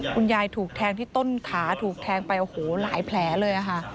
คุณยายถูกแทงที่ต้นท้าถูกแทงไปหลายแผลเลย